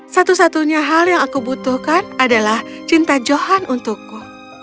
satu satunya hal yang aku butuhkan adalah cinta johan untukku